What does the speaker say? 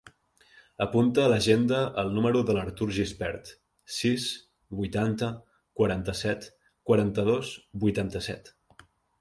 Apunta a l'agenda el número de l'Artur Gispert: sis, vuitanta, quaranta-set, quaranta-dos, vuitanta-set.